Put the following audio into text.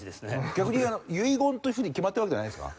逆に遺言というふうに決まってるわけじゃないんですか？